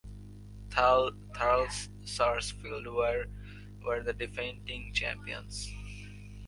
Thurles Sarsfields were the defending champions.